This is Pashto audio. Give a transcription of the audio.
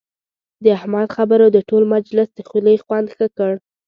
د احمد خبرو د ټول مجلس د خولې خوند ښه کړ.